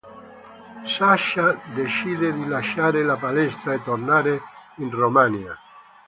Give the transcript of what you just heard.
Sasha decide di lasciare la palestra e tornare in Romania.